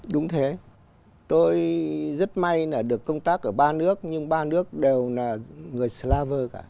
đúng thế tôi rất may được công tác ở ba nước nhưng ba nước đều là người slav cả